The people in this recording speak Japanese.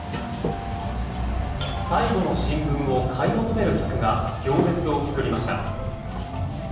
最後の新聞を買い求める客が行列を作りました。